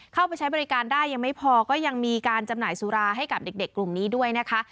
เข้าไปใช้บริการได้ยังไม่พอก็ยังมีการจำหน่ายสุราให้กับเด็กกลุ่มนี้ด้วยนะคะ